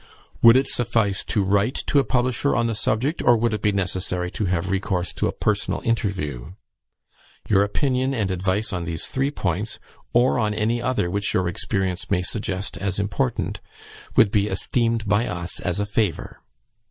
"Would it suffice to write to a publisher on the subject, or would it be necessary to have recourse to a personal interview? "Your opinion and advice on these three points, or on any other which your experience may suggest as important, would be esteemed by us as a favour."